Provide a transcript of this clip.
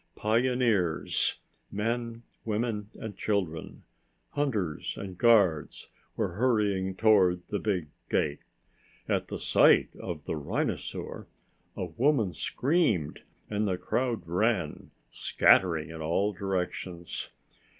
Pioneers men, women and children, hunters and guards were hurrying toward the big gate. At the sight of the rhinosaur, a woman screamed and the crowd ran, scattering in all directions.